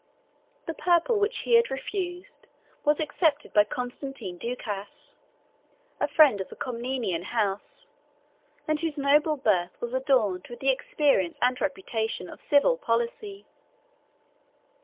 The purple which he had refused was accepted by Constantine Ducas, a friend of the Comnenian house, and whose noble birth was adorned with the experience and reputation of civil policy.